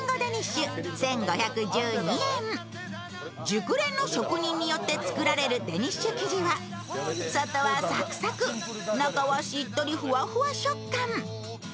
熟練の職人によって作られるデニッシュ生地は外はサクサク中はしっとりふわふわ食感。